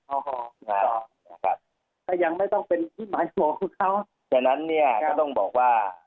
ครับแต่ยังไม่ต้องเป็นที่หมายหัวของเขาฉะนั้นเนี่ยก็ต้องบอกว่า